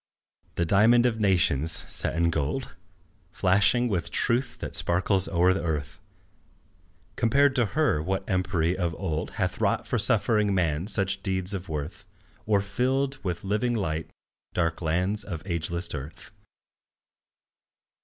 The diamond of nations, set in gold, Flashing with truth that sparkles o'er the earth, Compared to her what empery of old Hath wrought for suffering man such deeds of worth, Or filled with living light dark lands of ageless dearth?